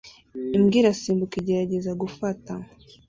Imbwa irasimbuka igerageza gufata